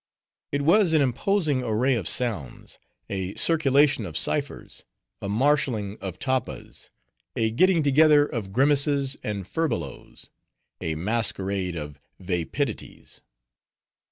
It was an imposing array of sounds; a circulation of ciphers; a marshaling of tappas; a getting together of grimaces and furbelows; a masquerade of vapidities.